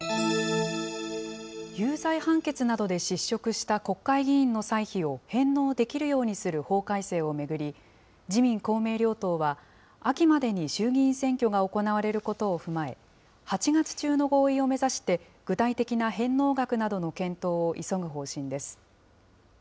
有罪判決などで失職した国会議員の歳費を返納できるようにする法改正を巡り、自民・公明両党は、秋までに衆議院選挙が行われることを踏まえ、８月中の合意を目指して、具体的な返納額などの検討を急ぐ方針です。